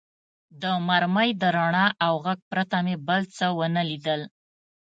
د مرمۍ د رڼا او غږ پرته مې بل څه و نه لیدل.